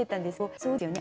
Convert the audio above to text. そうですね